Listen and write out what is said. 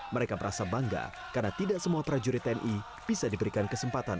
mereka merasa bangga karena tidak semua prajurit tni bisa diberikan kesempatan